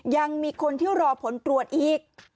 ยังมีคนที่รอผลตรวจอีก